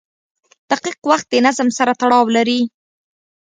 • دقیق وخت د نظم سره تړاو لري.